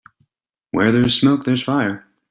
Where there's smoke there's fire.